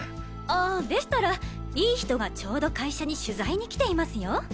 あでしたらいい人がちょうど会社に取材に来ていますよ。